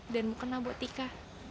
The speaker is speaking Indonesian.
dan mau kena botika